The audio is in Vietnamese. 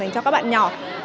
dành cho các bạn nhỏ